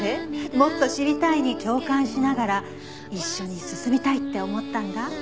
“もっと知りたい”に共感しながら一緒に進みたいって思ったんだ」